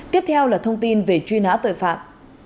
tiếp theo là thông tin về truy nã tội phạm